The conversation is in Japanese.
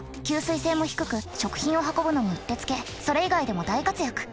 吸水性も低く食品を運ぶのにうってつけそれ以外でも大活躍。